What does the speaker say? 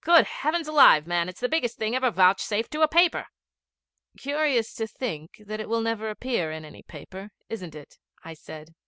Good heavens alive, man, it's the biggest thing ever vouchsafed to a paper!' 'Curious to think that it will never appear in any paper, isn't it? 'I said.